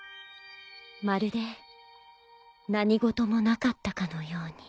［まるで何事もなかったかのように］